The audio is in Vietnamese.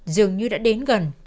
dường như đã đến gần